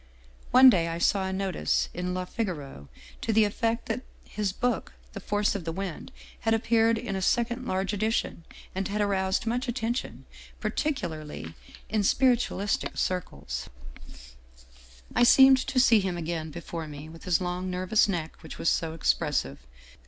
One day, I saw a notice in Le Figaro to the effect that his book, ' The Force of the Wind/ had appeared in a second large edition, and had aroused much attention, particularly in spiritualistic 266 Otto Larssen circles. I seemed to see him again before me, with his long nervous neck, which was so expressive.